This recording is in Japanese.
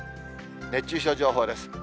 熱中症情報です。